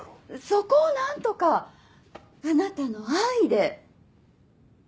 そこを何とかあなたの愛で。